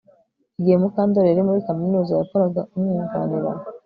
Igihe Mukandoli yari muri kaminuza yakoraga umwunganira